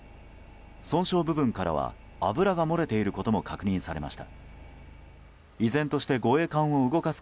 損傷部分からは油が漏れていることも確認されました。